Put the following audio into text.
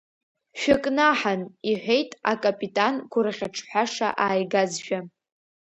Шәыкнаҳан, — иҳәеит акапитан гәырӷьаҿҳәаша ааигазшәа.